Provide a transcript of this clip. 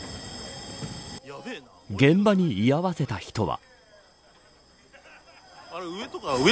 現場に居合わせた人は。